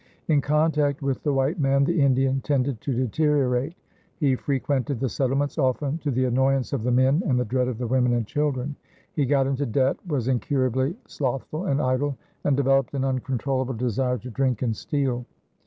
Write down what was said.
In contact with the white man the Indian tended to deteriorate. He frequented the settlements often to the annoyance of the men and the dread of the women and children; he got into debt, was incurably slothful and idle, and developed an uncontrollable desire to drink and steal.